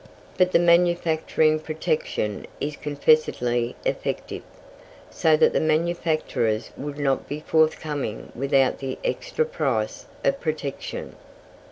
But the manufacturing protection is confessedly effective, so that the manufactures would not be forthcoming without the extra price of protection.